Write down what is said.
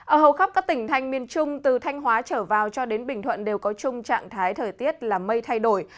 ở hầu khắp các tỉnh thành miền trung từ thanh hóa trở vào cho đến bình thuận đều có chung trạng thái thời tiết là mây thay đổi